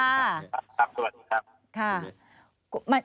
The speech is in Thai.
ถามสวัสดีครับ